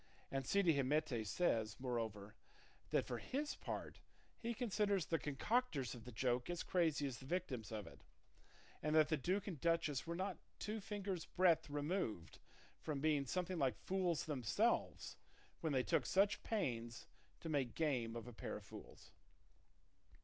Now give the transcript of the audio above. And Cide Hamete says, moreover, that for his part he considers the concocters of the joke as crazy as the victims of it, and that the duke and duchess were not two fingers' breadth removed from being something like fools themselves when they took such pains to make game of a pair of fools.